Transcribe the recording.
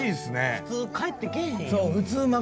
普通帰ってけえへんよ。